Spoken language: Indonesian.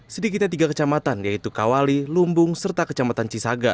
sedikitnya tiga kecamatan yaitu kawali lumbung serta kecamatan cisaga